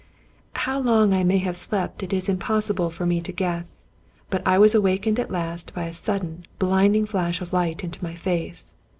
How long I may have slept it is impossible for me to guess; but I was awakened at last by a sudden, blinding flash of light into my face.